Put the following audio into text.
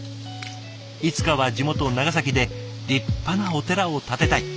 いつかは地元長崎で立派なお寺を建てたい！